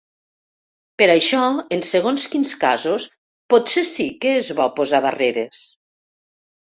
Per això, en segons quins casos, potser sí que és bo posar barreres.